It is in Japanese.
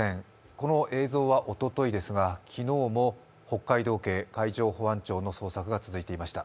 この映像はおとといですが、昨日も北海道警、海上保安庁の捜索が続いていました。